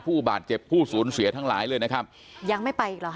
ผู้บาดเจ็บผู้สูญเสียทั้งหลายเลยนะครับยังไม่ไปอีกเหรอฮ